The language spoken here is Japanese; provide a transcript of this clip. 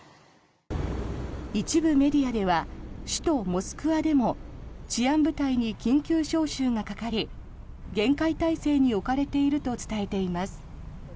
一部メディアでは首都モスクワでも治安部隊に緊急招集がかかり厳戒態勢に置かれていると伝えています。